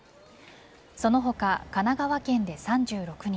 その他、神奈川県で３６人